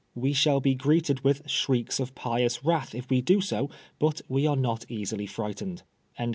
We shall be greeted with shrieks of pious wrath if we do so, but we are not easily frightened."